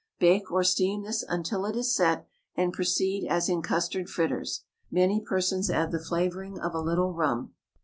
Bake or steam this until it is set, and proceed as in custard fritters. Many persons add the flavouring of a little rum.